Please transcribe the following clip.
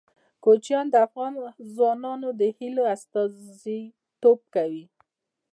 کوچیان د افغان ځوانانو د هیلو استازیتوب کوي.